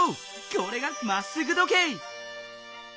これが「まっすぐ時計」！